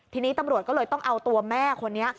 ทีนี้ตำรวจก็เลยต้องเอาตัวแม่คนนี้